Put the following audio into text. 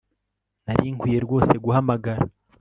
Nari nkwiye rwose guhamagara